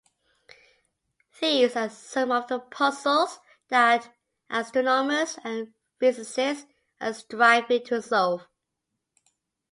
These are some of the puzzles that astronomers and physicists are striving to solve.